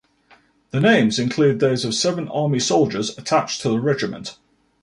The names include those of seven Army soldiers attached to the regiment.